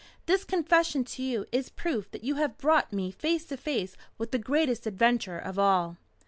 This confession to you is proof that you have brought me face to face with the greatest adventure of all."